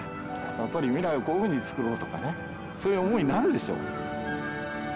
やっぱり未来をこういうふうに作ろうとかねそういう思いになるでしょ。